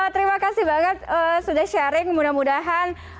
terima kasih banget sudah sharing mudah mudahan